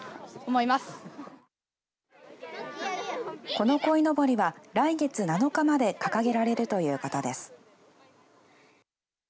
このこいのぼりは来月７日まで掲げられるということです。